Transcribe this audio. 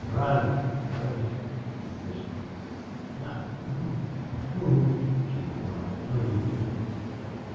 "Run Allie!" he whispered. "No no no!" she replied, clinging to him.